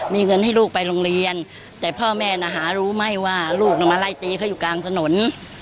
มีเงินให้ลูกไปโรงเรียนแต่พ่อแม่นะคะรู้ไหมว่าลูกมาไล่ตีเขาอยู่กลางถนน